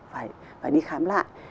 phải đi khám lại